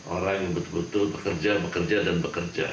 orang yang betul betul bekerja bekerja dan bekerja